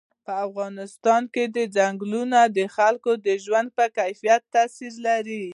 په افغانستان کې ځنګلونه د خلکو د ژوند په کیفیت تاثیر کوي.